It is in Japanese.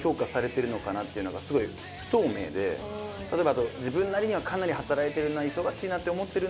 例えば。